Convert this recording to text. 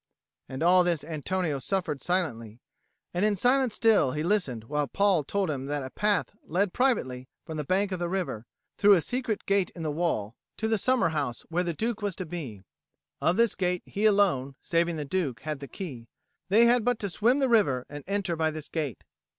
And all this Antonio suffered silently; and in silence still he listened while Paul told him how that a path led privately from the bank of the river, through a secret gate in the wall, to the summer house where the Duke was to be; of this gate he alone, saving the Duke had the key; they had but to swim the river and enter by this gate.